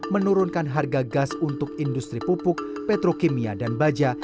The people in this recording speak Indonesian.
menurunkan harga gas untuk industri pupuk petrokimia dan baja